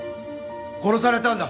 殺されたんだ。